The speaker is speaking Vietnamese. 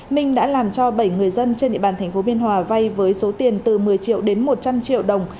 minh đã làm cho bảy người dân trên địa bàn tp biên hòa vay với số tiền từ một mươi triệu đến một trăm linh triệu đồng